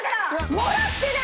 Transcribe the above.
もらってない！